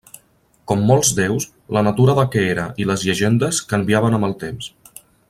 Com molts déus, la natura de què era i les llegendes canviaven amb el temps.